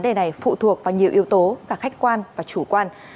vấn đề này phụ thuộc vào nhiều yếu tố khách quan và chủ quan